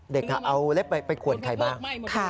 เด็กเอาเล็บไปขวนใครบ้าง